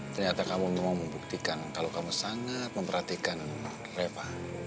ternyata kamu mau membuktikan kalau kamu sangat memperhatikan reva